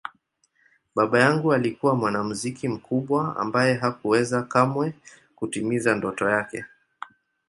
Baba yangu alikuwa mwanamuziki mkubwa ambaye hakuweza kamwe kutimiza ndoto yake.